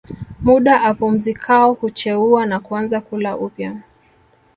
Muda apumzikao hucheua na kuanza kula upyaa